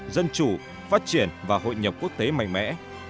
dân chủ phát triển và hội nhập quốc tế mạnh mẽ